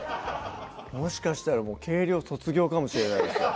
もしかしたらもう計量卒業かもしれないですね